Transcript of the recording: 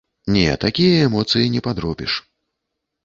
Не, такія эмоцыі не падробіш.